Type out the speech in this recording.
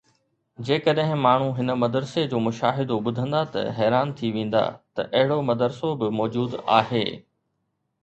جيڪڏهن ماڻهو هن مدرسي جو مشاهدو ٻڌندا ته حيران ٿي ويندا ته اهڙو مدرسو به موجود آهي.